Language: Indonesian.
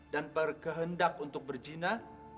dan berkehendak untuk berjina